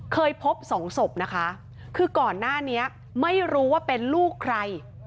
เคยพบสองศพนะคะคือก่อนหน้านี้ไม่รู้ว่าเป็นลูกใคร